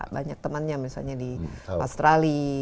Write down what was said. banyak temannya misalnya di australia